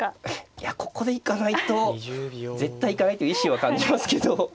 いやここで行かないと絶対行かないという意思は感じますけど。